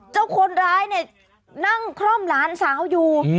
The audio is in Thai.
เจ้าคนร้ายเนี่ยนั่งคล่อมหลานสาวอยู่